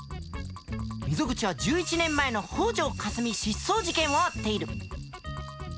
溝口は１１年前の北條かすみ失踪事件を追っている。